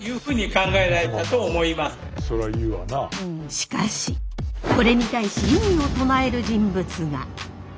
しかしこれに対し異議を唱える人物が。